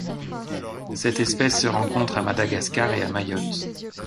Cette espèce se rencontre à Madagascar et à Mayotte.